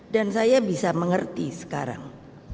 dan saya bisa mengerti sekarang